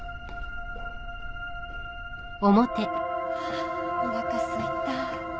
あおなかすいた。